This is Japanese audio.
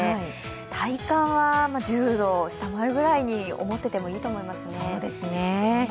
体感は１０度を下回るぐらいに思っていてもいいと思いますね。